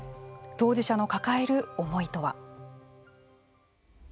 当事者の抱える思いとは。